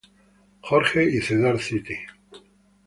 George y Cedar City.